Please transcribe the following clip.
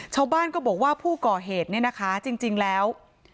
ชาวบ้านก็บอกว่าผู้ก่อเหตุเนี่ยนะคะจริงแล้ว